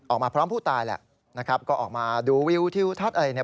ออกมาพร้อมผู้ตายแหละนะครับก็ออกมาดูวิวทิวทัศน์อะไรเนี่ย